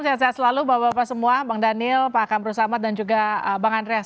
sehat sehat selalu bapak bapak semua bang daniel pak kamrul samad dan juga bang andreas